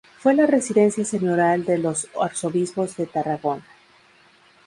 Fue la residencia señorial de los arzobispos de Tarragona.